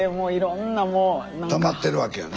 たまってるわけやね。